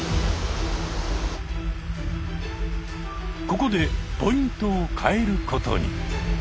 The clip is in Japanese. ここでポイントを変えることに。